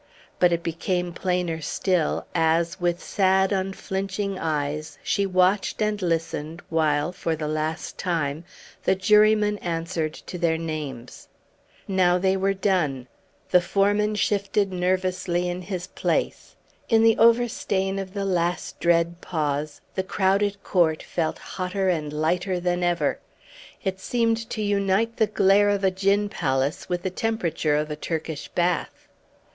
But it became plainer still as, with sad, unflinching eyes, she watched and listened while, for the last time, the jurymen answered to their names. Now they were done. The foreman shifted nervously in his place. In the overstrain of the last dread pause, the crowded court felt hotter and lighter than ever. It seemed to unite the glare of a gin palace with the temperature of a Turkish bath.